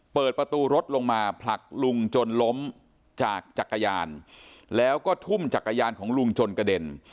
เปิดประตูรถลงมาผลักลุงจนล้มจากจักรยานแล้วก็ทุ่มจักรยานของลุงจนกระเด็น